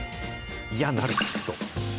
いや、なる、きっと。